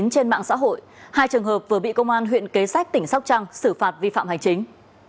trên mạng xã hội hai trường hợp vừa bị công an huyện kế sách tỉnh sóc trăng xử phạt vi phạm hành chính